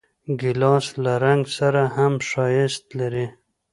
ګیلاس له رنګ سره هم ښایست لري.